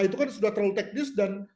itu kan sudah terlalu teknis dan